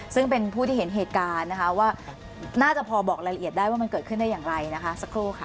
ซึ่งเป็นผู้ที่เห็นเหตุการณ์นะคะว่าน่าจะพอบอกรายละเอียดได้ว่ามันเกิดขึ้นได้อย่างไรนะคะสักครู่ค่ะ